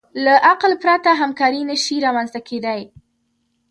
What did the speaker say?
له عقل پرته همکاري نهشي رامنځ ته کېدی.